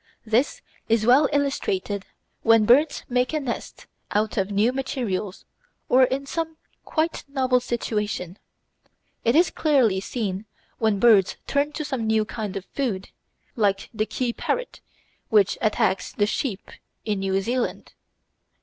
This is well illustrated when birds make a nest out of new materials or in some quite novel situation. It is clearly seen when birds turn to some new kind of food, like the Kea parrot, which attacks the sheep in New Zealand.